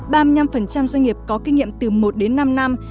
ba mươi năm doanh nghiệp có kinh nghiệm